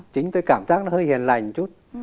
chính tôi cảm giác nó hơi hiền lành chút